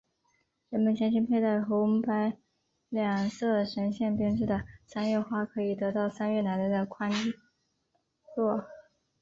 人们相信佩戴红白两色线绳编织的三月花可以得到三月奶奶的宽宥。